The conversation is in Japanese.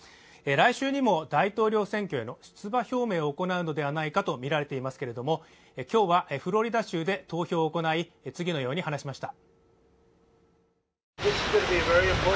来週にも大統領選挙への出馬表明を行うのではないかとみられていますけれどもきょうはフロリダ州で投票を行い次のように話しました